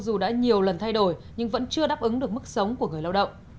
dù đã nhiều lần thay đổi nhưng vẫn chưa đáp ứng được mức sống của người lao động